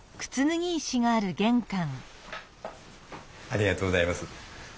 ありがとうございます。